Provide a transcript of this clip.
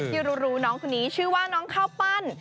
ที่รู้น้องคนนี้ชื่อว่าน้องข้าวปั้น